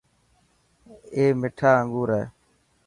اي مٺا انگور هي.